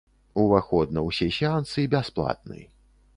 Уваход на ўсе сеансы бясплатны.